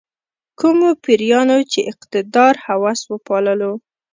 کومو پیریانو چې اقتدار هوس وپاللو.